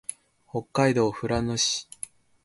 北海道富良野市